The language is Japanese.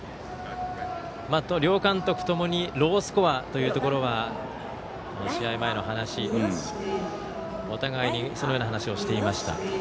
両監督ともにロースコアというところは試合前の話でお互いにそのような話をしていました。